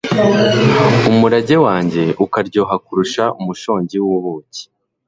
umurage wanjye ukaryoha kurusha umushongi w'ubuki